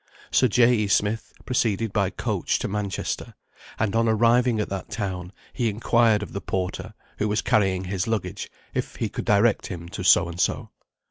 Sir J. E. Smith proceeded by coach to Manchester, and on arriving at that town, he inquired of the porter who was carrying his luggage if he could direct him to So and So.